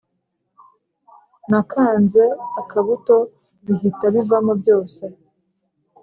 Nakanze akabuto bihita bivamo byose